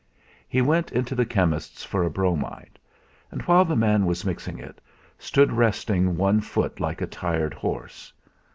He went into the chemist's for a bromide; and, while the man was mixing it, stood resting one foot like a tired horse.